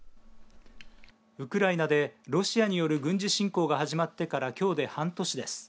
ウクライナでロシアによる軍事侵攻が始まってからきょうで半年です。